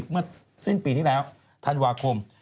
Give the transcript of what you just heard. เมื่อสิ้นปีที่แล้วธันวาคม